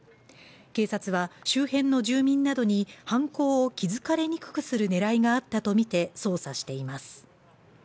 警察は周辺の住民などに犯行を気づかれにくくする狙いがあったとみて捜査しています